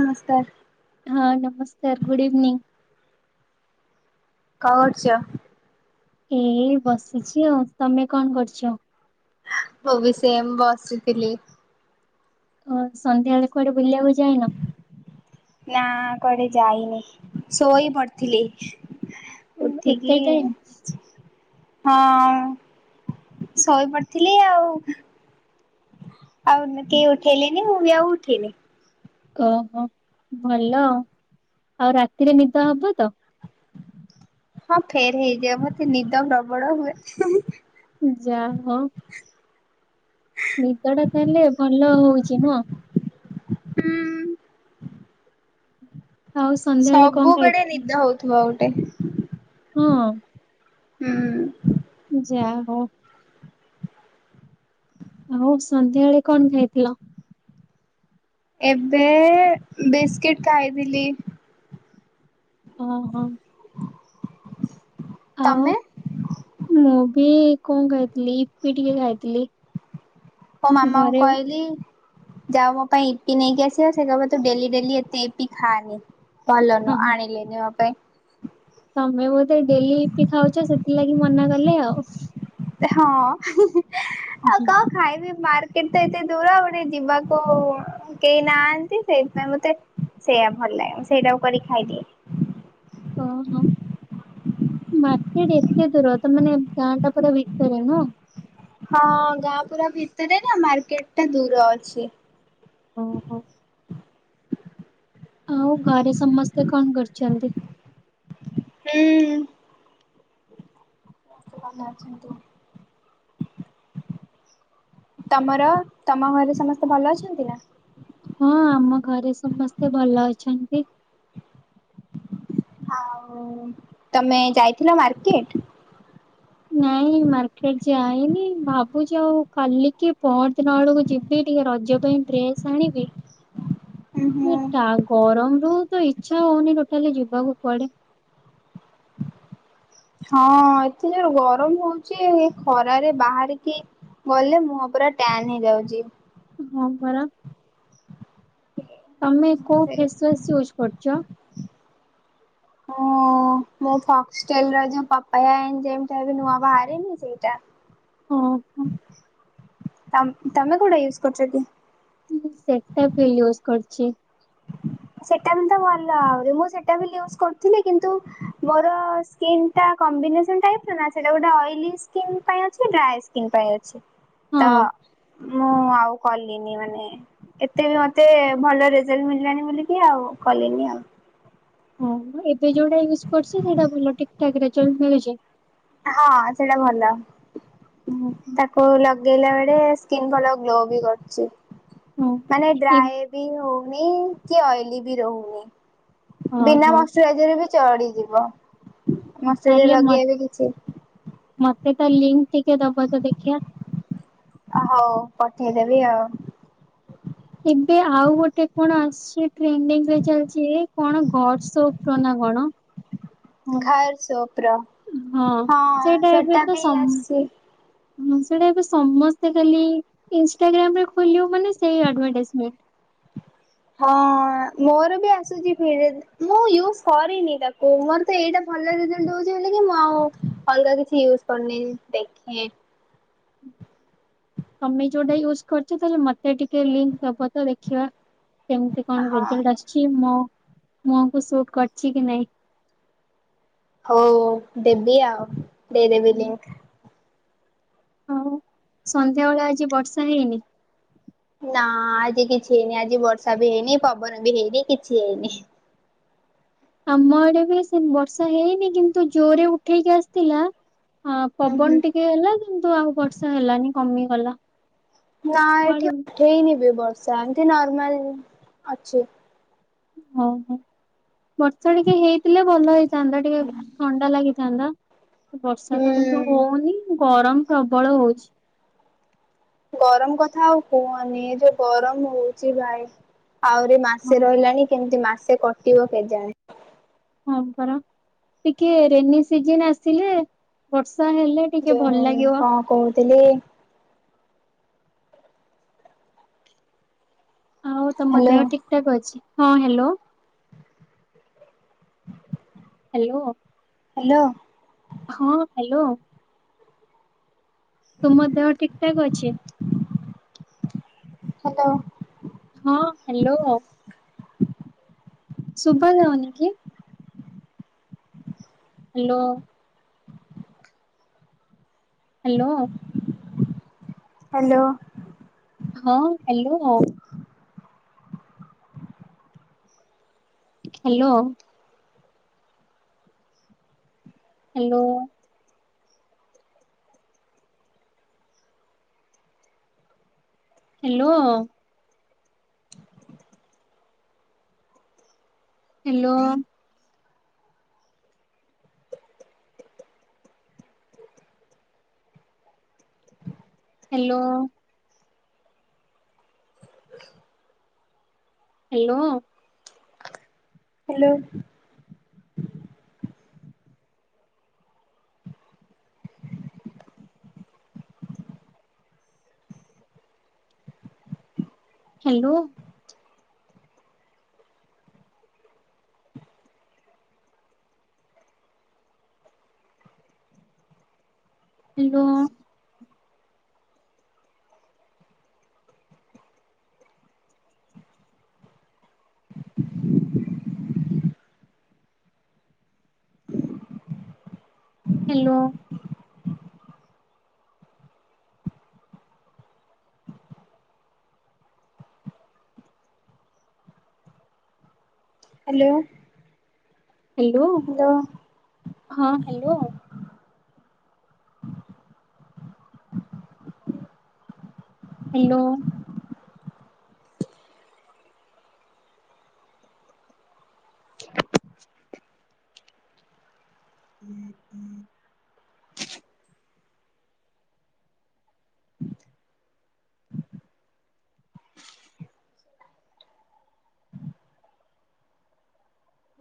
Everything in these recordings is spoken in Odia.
ନମସ୍କାର। ହଁ ନମସ୍କାର ଗୁଡ଼ ଇଭିନିଂ। କଣ କରୁଚ? ଏ ବସିଛି ଆଉ ତମେ କଣ କରୁଛ? ମୁ ବି ସେମ୍ ବସିଥିଲି। ଓ ସନ୍ଧ୍ୟା ବେଳେ କୁଆଡେ ବୁଲିବାକୁ ଯାଇନ? ନା କୁଆଡେ ଯାଇନି ଶୋଇ ପଡିଥିଲି। ଓ, ଉଠିକି ଏତେ ଟାଇମ୍? ହଁ ଶୋଇ ପଡିଥିଲି ଆଉ। ଆଉ ଇମୀତି ଉଠେଇଲେନି ମୁଁ ବି ଆଉ ଉଠେଇନି। ଓହୋ ଭଲ। ଆଉ ରାତିରେ ନିଦ ହବ ତ? ହଁ ଫେର ହେଇଯିବ ମତେ ନିଦ ପ୍ରବଳ ହୁଏ। ଯା ହଉ। ନିଦ ଟା ତାହଲେ ଭଲ ହଉଛି ନୁହ? ହୁଁ। ଆଉ ସନ୍ଧ୍ୟାବେଳେ କଣ ସବୁବେଳେ ଖାଇଥିଲ? ନିଦ ହଉଥିବ ଗୋଟେ ହଁ। ହୁଁ। ଯା ହୋଉ। ହଉ ସନ୍ଧ୍ୟାବେଳେ କଣ ଖାଇଥିଲ? ଏବେ ବିସ୍କିଟ ଖାଇଥିଲି। ଓ ହୋ। ତମେ? ଇ କଣ ଖାଇଥିଲି ଇପି ଟିକେ ଖାଇଥିଲି। ମୋ ମାମା ଙ୍କୁ ଘରେ କହିଲି ଯା ମୋ ପାଇଁ ଇପି ନେଇକି ଆସିବ। ସେ କହିବ ତୁ ଡେଲି ଡେଲି ଏତେ ଇପି ଖାନି। ଭଲ ହଁ ନୁହ ଆଣିଲେନି ମୋ ପାଇଁ। ତମେ ବୋଧେ ଡେଲି ୟୀପି ଖାଉଛ ସେଥିଲାଗି ମନା କଲେ ଆଉ। ହଁ ଆଉ କଣ ଖାଇବି। ମାର୍କେଟ ତ ଏତେ ଦୂର ଗୋଟେ ଯିବାକୁ କେହି ନାହାନ୍ତି ସେଇଥିପାଇଁ ମତେ ସେଇୟା ଭଲ ଲାଗେ ମୁଁ ସେଇଟାକୁ କରିିକି ଖାଇଦିଏ। ଓ ହୋ। ମାର୍କେଟ ଏତେ ଦୂର ତ ମାନେ ଗାଁଟା ପୁରା ଭିତରେ ନା। ହଁ ଗାଁ ପୁରା ଭିତରେ ନା ମାର୍କେଟ ଟା ଦୂର ଅଛି। ଓହୋ। ଆଉ ଘରେ ସମସ୍ତେ କଣ କରୁଛନ୍ତି? ହୁଁ। ଭଲ ଅଛନ୍ତି। ତମର ତମ ଘରେ ସମସ୍ତେ ଭଲ ଅଛନ୍ତି ନା? ହଁ ଆମ ଘରେ ସମସ୍ତେ ଭଲ ଅଛନ୍ତି। ଆଉ ତମେ ଯାଇଥିଲ ମାର୍କେଟ। ନାଇଁ ମାର୍କେଟ ଯାଇନି ଭାବୁଛି ଆଉ କାଲିକି ପହର ଦିନ ଆଡ଼କୁ ଯିବି ଟି ଟିକେ ରଜ ପାଇଁ ଡ୍ରେସ୍ ଆଣିବି ଉଁ ମ ହୁଁ। ଟା ତ ଇଚ୍ଛା ହଉନି ଟୋଟାଲି ଯିବାକୁ କୁଆଡେ ହଁ ଏଥିରେ ଗରମ ହଉଛି ଏ ଖରାରେ ବାହାରିକି ଗଲେ ମୁହଁ ପୁରା ଟ୍ୟାନ୍ ହେଇଯାଉଛି। ହଁ ପରା ତମେ କୋଉ ସେ ଫେସ୍ ୱାଶ୍ ୟୁଜ କରୁଛ? ଓ ମୁଁ ଫକ୍ସଟେଲ ର ଯୋଉ ପପାୟା ଯେମତି ଏବେ ନୂଆ ବାହାରିନି ସେଇଟା। ଓ ହୋ। ତମ ତମେ କୋଉଟା ୟୁଜ କରୁଛ କି? ମୁଁ ସେଟା ବି ୟୁଜ କରିଛି ସେଟା ବି ତ ଭଲ ଆହୁରି ମୁଁ ସେଟାଫିଲ ୟୁଜ କରୁଥିଲି କିନ୍ତୁ ମୋର ସ୍କିନ ଟା କମ୍ବିନେସ ଟାଇପର ନା ସେଟା ଗୋଟେ ଅଏଲ ସ୍କିନ୍ ପାଇଁ ଅଛି ଡ୍ରାଏ ସ୍କିନ୍ ପାଇଁ ଅଛି। ହଁ ତ ମୁଁ ଆଉ କଲିନି ମାନେ ଏତେ ବି ମତେ ଭଲ ରେଜଲ୍ଟ ମିଳିଲାନି ବୋଲି କି ଆଉ କଲିନି ଆଉ ସେ ଯୋଉଟା ୟୁଜ୍ କରୁଚି ସେଟା ଭଲ ଠିକଠାକ ରେଜଲ୍ଟ ମିଳୁଛି। ହଁ ସେଟା ଭଲ। ହଁ ତାକୁ ଲ ଲଗେଇଲା ବେଳେ ସ୍କିନ୍ ଭଲ ଗ୍ଲୋ ବି କରୁଛି। ହଁ ମାନେ ଏ ଡ୍ରାଏ ବି ହଉ ନିନ୍ କି ଅଏଲି ବି ରହୁନି ହଁ ବିନା ହଁ ମୋସ୍ଚରାଇଜ ରେ ବି ଚଡ଼ିଯିବ। ମୋସ୍ଚରାଇଜ ତାହେଲେ ମ ଲଗେଇବା ବି କିଛି ମତେ ତ ଲିଙ୍କ୍ ଟିକେ ଦବ ତ ଦେଖିବା। ହଉ ପଠେଇଦେବି ଆଉ। ଏବେ ଆଉ ଗୋଟେ କଣ ଆସିଛି ଟ୍ରେଣ୍ଡିଙ୍ଗରେ ଚାଲିଛି କଣ ଗଡ ସୋପ ର ନା କଣ? ହଁ ଘର ସପରୋ, ହଁ ସେଇଟା ଏବେ ସେଟା ତ ବି ସମ ଆସିଛି। ହଁ ସେଟା ଏବେ ସମସ୍ତେ ଖାଲି ଇନସ୍ଟାଗ୍ରାମରେ ଖୋଲିବ ମାନେ ସେଇ ଆଡଭାଟାଇଜମେଣ୍ଟ। [inaudible] ହଁ ମୋର ବି ଆସୁଛି ଫିଡ, ମୁଁ ୟୁଜ କରିନି ତାକୁ ମୋର ତ ଏଇଟା ଭଲ ରେଜଲ୍ଟ ଦଉଚି ବୋଲିକି ମୁଁ ଆଉ ଅଲଗା କିଛି ୟୁଜ କରନି ଦେଖେଁ [inaudible] ତମେ ଯୋଉଟା ୟୁଜ କରିଛ ତାହଲେ ମତେ ଟିକେ ଲିଙ୍କ୍ ଦବ ତ ଦେଖିବା। କେମତି କଣ ହଁ ରେଜଲ୍ଟ ଆଶିଛି ମୋ ମୁହଁକୁ ସୁଟ୍ କରଛି କି ନାଇଁ। ହଉ ଦେବି ଆଉ ଦେଇଦବି ଲିଙ୍କ୍। ହଉ ସନ୍ଧ୍ୟାବେଳେ ଆଜି ବର୍ଷା ହେଇନି। ନା ଆଜି କିଛି ହେଇନି ଆଜି ବର୍ଷା ବି ହେଇନି ପବନ ବି ହେଇନି କିଛି ହେଇନି। ଆମ ଆଡେ ବି ସେ ବର୍ଷା ହେଇନି, କିନ୍ତୁ ଜୋରେ ଉଠେଇକି ଆସିଥିଲା। ହଁ ହୁଁ ହୁଁ ପବନ ଟିକେ ହେଲା କିନ୍ତୁ ଆଉ ବର୍ଷା ହେଲାନି କମିଗଲା। ନା କୁଆଡେ ଏଠି ଉଠେଇନି ବି ବର୍ଷା ଏମିତି ନର୍ମାଲ ଅଛି। ଓ ହୋ। ବର୍ଷା ଟିକେ ହେଇଥିଲେ ଭଲ ହେଇଥାନ୍ତା, ଟିକେ ଥଣ୍ଡା ଲାଗିଥାନ୍ତା। ବର୍ଷା ତ କିନ୍ତୁ ହୁଁ। ହଉନି ଗରମ ପ୍ରବଳ ହଉଛି। ଗରମ କଥା ଆଉ କୁହନି ଯୋଉ ଗରମ ହଉଛି ଭାଇ ଆହୁରି ହଁ ମାସେ ରହିଲାଣି, କେମିତି ମାସେ କଟିବ କେଜାଣି ହଁ ପରା ଟିକେ ରେନି ସିଜନ୍ ଆସିଲେ ବ ସ ହେଲେ ଟିକେ ଯୋଉ [unintelligible] ଆଉ ତମ ହ୍ୟାଲୋ ଦେହ ଠିକଠାକ ଅଛି, ହଁ ହ୍ୟାଲୋ ହ୍ୟାଲୋ ହାଲୋ। ହଁ ହାଲୋ। ତୁମ ଦେହ ଠିକ ଠାକ ଅଛି? ହାଲୋ। ହଁ ହାଲୋ। ସୁୁଭା ଯାଉନ କି? ହାଲୋ। ହାଲୋ। ହାଲୋ। ହଁ hello. Hello. Hello. Hello. Hello. Hello. Hello. Hello. Hello. Hello. Hello. Hello. Hello. Hello. ହଁ hello. Hello.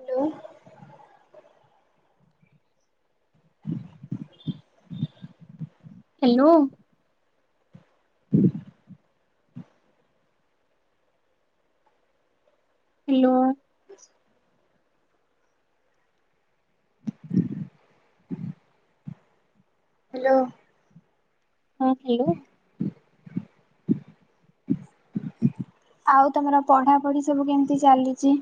Hello. Hello. [inaudible] Hello. [inaudible] Hello. ହଁ ହେଲୋ। ଆଉ ତମର ପଢାପଢି ସବୁ କେମିତି ଚାଲିଚି?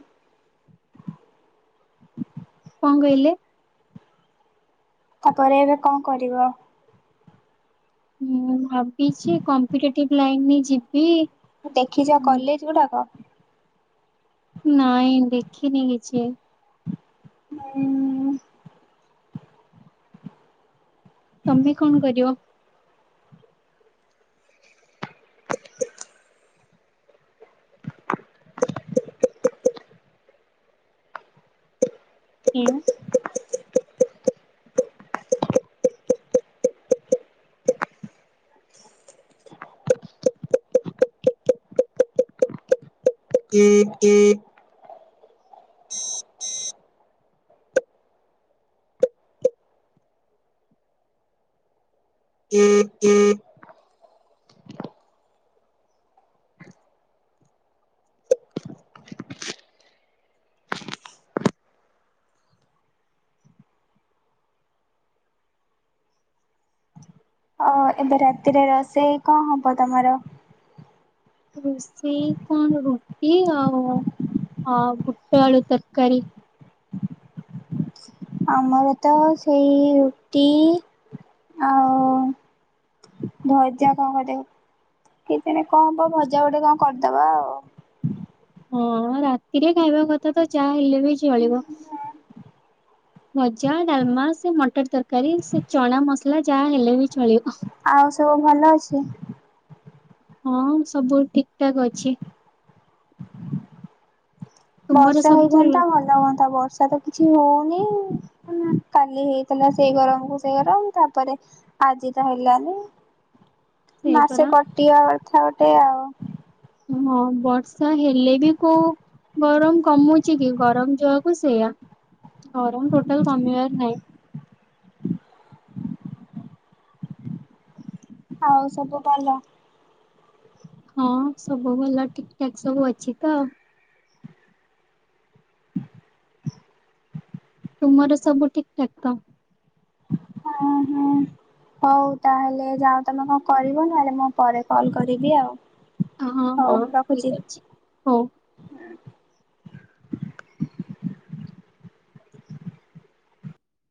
କଣ କହିଲେ? ତାପରେ ଏବେ କଣ କରିବ? ମୁଁ ଭାବିଚି କମ୍ପିଟେଟିଭ ଲାଇନରେ ଯିବି। ଦେଖିଚ କଲେଜ ଗୁଡାକ? ନାଇଁ ଦେଖିନି କିଛି। ହୁଁ। ତମେ କଣ କରିବ? ହାଲୋ। [inaudible] [inaudible] ହ ଏବେ ରାତିରେ ରୋଷେଇ କଣ ହବ ତମର? ରୋଷେଇ କଣ ରୁଟି ଆଉ ହଁ ବୁଟ ଆଳୁ ତରକାରୀ। ଆମର ତ ସେଇ ରୁଟି ଆଉ। ଭଯା କଣ ଗୋଟେ। କେଜାଣ କଣ ହବ ଭଜା ଗୋଟେ କଣ କରିଦବା ଆଉ। ହଁ ରାତିରେ ଖାଇବା କଥା ତ ଚାହା ହେଲେ ବି ଚଳିବ। ଭଜା, ଡାଲମା, ସେ ମଟର ତରକାରୀ, ସେ ଚଣା ମସଲା, ଯାହା ହେଲେ ବି ଚଳିବ। ଆଉ ସବୁ ଭଲ ଅଛି? ହଁ ସବୁ ଠିକଠାକ ଅଛି। ତୁମର ବର୍ଷା ସବୁ ହେଇଯାଆନ୍ତା ଭଲ ହୁଅନ୍ତା ବର୍ଷା ତ କିଛି ହୋଉନି। କାଲି ହେଇଥିଲା ସେଇ ଗରମକୁ ସେଇ ଗରମ ତାପରେ ଆଜି ତା ହେଲାନି। ତ [inaudible] ମାସେ କଟିବା କଥା ଗୋଟେ ଆଉ। ହଁ ବର୍ଷା ହେଲେ ବି କୋଉ ଗରମ କମୁଚି କି ଗରମ ଯୋଉଆକୁ ସେଇଆ। ଗରମ୍ ଟୋଟାଲ୍ କମିବାର ନାହିଁ। ଆଉ ସବୁ ଭଲ? ହଁ ସବୁ ଭଲ ଠିକଠାକ ସବୁ ଅଛି ତ। ତୁମର ସବୁ ଠିକଠାକ୍ ତ? ହୋଉ ତାହେଲେ ଯାଅ ତମେ କଣ କରିବ ନହେଲେ ମୁଁ ପରେ କଲ କରିବି ଆଉ। ହଁ ହଉ ହଁ ରଖୁଛି। ଠିକ ଅଛି ହୋଉ।